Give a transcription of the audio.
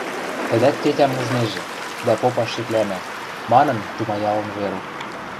«Тӹдӓт тетям ужнежӹ, дӓ попаш шеклӓнӓ», — манын тумаялын Верук.